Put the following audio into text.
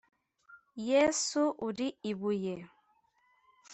Yesu uri ibuye